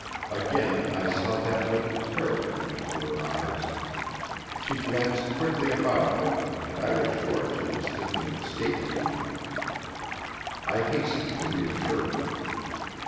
Again I saw that look of terror come into her eyes. She glanced quickly about her, and I was sure she was thinking of escaping from me. I hastened to reassure her.